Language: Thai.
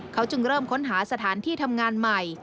เขาจึงเริ่มค้นหาสถานที่ทำงานใหม่